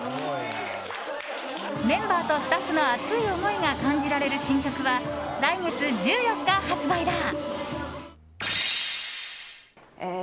メンバーとスタッフの熱い思いが感じられる新曲は来月１４日発売だ。